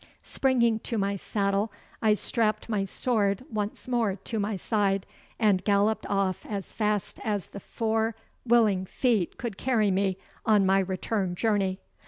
Springing to my saddle, I strapped my sword once more to my side, and galloped off as fast as the four willing feet could carry me on my return journey.